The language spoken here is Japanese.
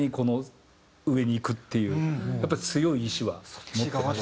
っていうやっぱり強い意志は持ってました。